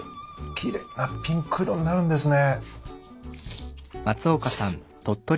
奇麗なピンク色になるんですね。